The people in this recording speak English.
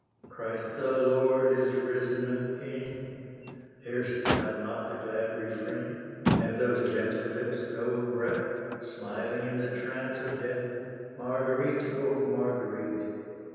Christ the Lord is risen again, Hear'st thou not the glad refrain, Have those gentle lips no breath, Smiling in the trance of death? Marguerite, oh Marguerite!